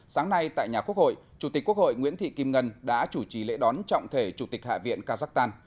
sáng nay tại nhà quốc hội chủ tịch quốc hội nguyễn thị kim ngân đã chủ trì lễ đón trọng thể chủ tịch hạ viện kazakhstan